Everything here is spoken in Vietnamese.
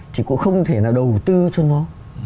thì cũng không thể là đầu tư cho nó